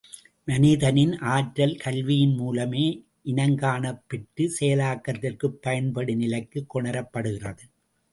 மனிதனின் ஆற்றல் கல்வியின் மூலமே இனங்காணப் பெற்றுச் செயலாக்கத்திற்குப் பயன்படு நிலைக்குக் கொணரப் படுகிறது!